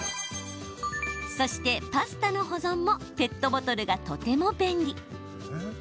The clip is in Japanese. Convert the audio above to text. そして、パスタの保存もペットボトルがとても便利。